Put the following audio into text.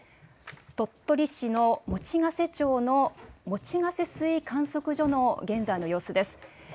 鳥取市の用瀬町の用瀬水位観測所の現在の様子です。